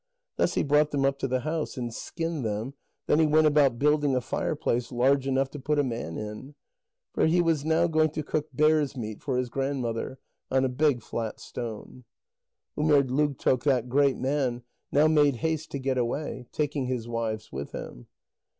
Thus he brought them up to the house, and skinned them; then he set about building a fireplace large enough to put a man in. For he was now going to cook bears' meat for his grandmother, on a big flat stone. Umerdlugtoq, that great man, now made haste to get away, taking his wives with him.